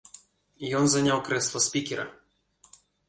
Ён заняў крэсла спікера.